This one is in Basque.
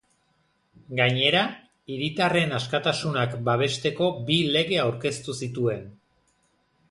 Gainera, hiritarren askatasunak babesteko bi lege aurkeztu zituen.